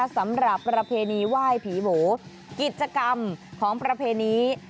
สำหรับประเพณีไหว้ผีโบกิจกรรมของประเพณี